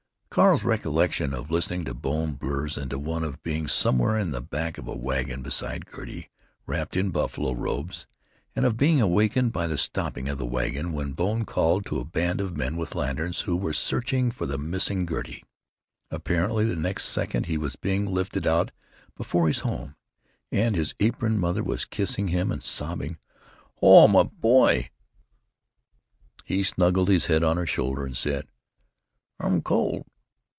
Carl's recollection of listening to Bone blurs into one of being somewhere in the back of a wagon beside Gertie, wrapped in buffalo robes, and of being awakened by the stopping of the wagon when Bone called to a band of men with lanterns who were searching for the missing Gertie. Apparently the next second he was being lifted out before his home, and his aproned mother was kissing him and sobbing, "Oh, my boy!" He snuggled his head on her shoulder and said: "I'm cold.